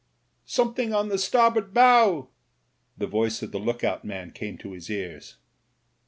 "Something on the starboard bow.'* The voice of the look out man came to his ears.